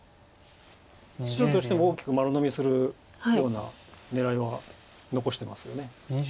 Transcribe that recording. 白としても大きく丸のみするような狙いは残してますよね。